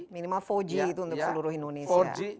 minimal empat g itu untuk seluruh indonesia